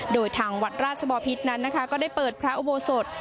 โดยทางวัดราชบอพิษนั้นนะคะก็ได้เปิดพระอุโบสถ